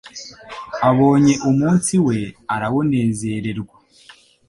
Abonye umunsi we, arawunezererwa.